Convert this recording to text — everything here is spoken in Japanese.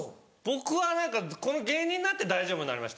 僕は何かこの芸人になって大丈夫になりました。